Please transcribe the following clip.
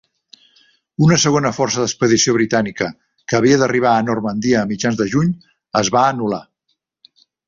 Una segona força d'expedició britànica, que havia d'arribar a Normandia a mitjans de juny, es va anul·lar.